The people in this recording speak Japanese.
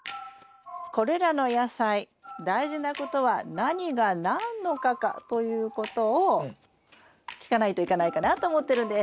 これらの野菜大事なことは何が何の科かということを聞かないといかないかなと思ってるんです。